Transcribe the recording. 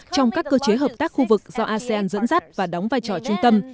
trong các cơ chế hợp tác khu vực do asean dẫn dắt và đóng vai trò trung tâm